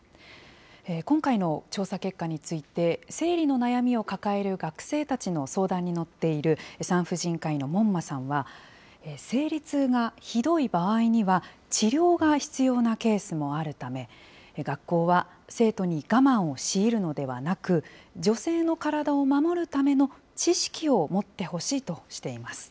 今回の調査結果について、生理の悩みを抱える学生たちの相談に乗っている、産婦人科医の門馬さんは、生理痛がひどい場合には、治療が必要なケースもあるため、学校は生徒に我慢を強いるのではなく、女性の体を守るための知識を持ってほしいとしています。